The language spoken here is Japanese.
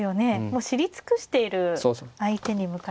もう知り尽くしている相手に向かって。